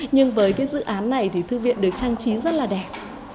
nhưng với cái dự án này thì thư viện được trang trí rất là đẹp